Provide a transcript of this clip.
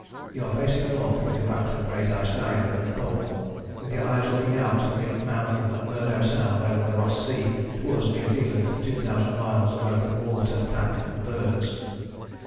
You are facing north with your back to the Great Ice Barrier and the Pole, with your eyes looking out of the mouth of McMurdo Sound over the Ross Sea towards New Zealand, two thousand miles of open water, pack and bergs.